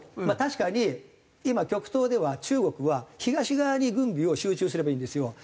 まあ確かに今極東では中国は東側に軍備を集中すればいいんですよ。